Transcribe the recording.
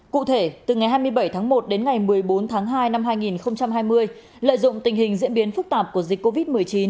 cụ thể từ ngày hai mươi bảy tháng một đến ngày một mươi bốn tháng hai năm hai nghìn hai mươi lợi dụng tình hình diễn biến phức tạp của dịch covid một mươi chín